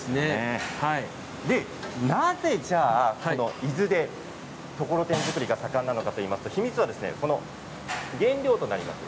なぜ伊豆でところてん作りが盛んなのかといいますと、秘密は原料となります